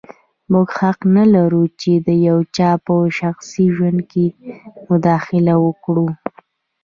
موږ حق نه لرو چې د یو چا په شخصي ژوند کې مداخله وکړو.